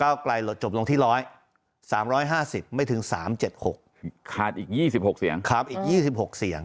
ก้าวกลายจบลงที่ร้อยสามร้อยห้าสิบไม่ถึงสามเจ็ดหกขาดอีกยี่สิบหกเสียงขาดอีกยี่สิบหกเสียง